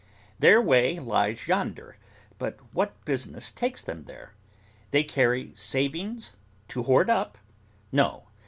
Their way lies yonder, but what business takes them there? They carry savings: to hoard up? No.